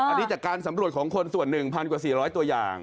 อันนี้จากการสำรวจของคนส่วน๑๐๐กว่า๔๐๐ตัวอย่าง